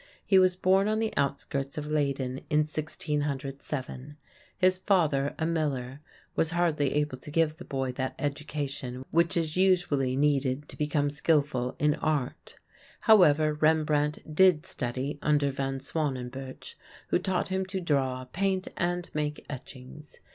He was born on the outskirts of Leyden in 1607. His father, a miller, was hardly able to give the boy that education which is usually needed to become skilful in art. However, Rembrandt did study under Van Swanenburch, who taught him to draw, paint, and make etchings.